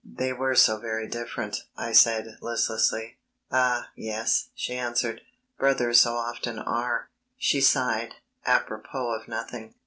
"They were so very different," I said, listlessly. "Ah, yes," she answered, "brothers so often are." She sighed, apropos of nothing.